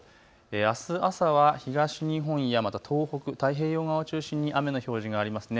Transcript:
あす朝は東日本やまた東北、太平洋側を中心に雨の表示がありますね。